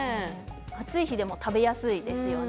暑い日でも食べやすいですよね。